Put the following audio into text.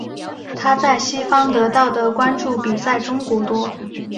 她在西方得到的关注比在中国多。